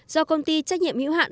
do công ty trách nhiệm hữu hạn